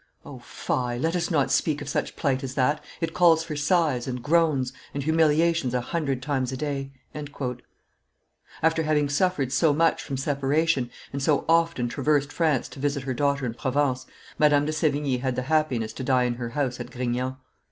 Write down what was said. O, fie! Let us not speak of such plight as that: it calls for sighs, and groans, and humiliations a hundred times a day." After having suffered so much from separation, and so often traversed France to visit her daughter in Provence, Madame de Sevigne had the happiness to die in her house at Grignan.